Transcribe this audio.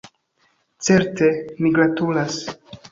Certe, ni gratulas.